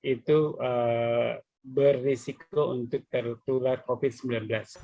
itu berisiko untuk tertular covid sembilan belas